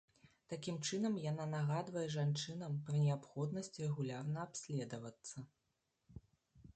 Такім чынам яна нагадвае жанчынам пра неабходнасць рэгулярна абследавацца.